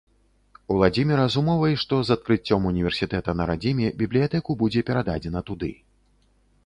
Уладзіміра з умовай, што з адкрыццём універсітэта на радзіме, бібліятэку будзе перададзена туды.